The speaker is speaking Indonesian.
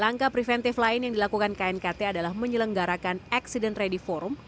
langkah preventif lain yang dilakukan knkt adalah menyelenggarakan accident ready forum